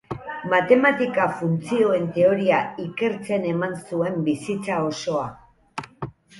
Matematika-funtzioen teoria ikertzen eman zuen bizitza osoa.